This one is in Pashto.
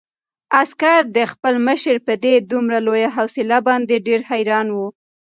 عسکر د خپل مشر په دې دومره لویه حوصله باندې ډېر حیران و.